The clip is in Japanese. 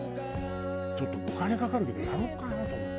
ちょっとお金かかるけどやろうかな？と思って。